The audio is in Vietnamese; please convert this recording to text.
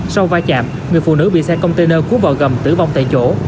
sau va chạm người phụ nữ bị xe container cú vào gầm tử vong tại chỗ